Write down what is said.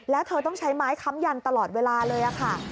แล้วเธอต้องใช้ไม้ค้ำยันตลอดเวลาเลยค่ะ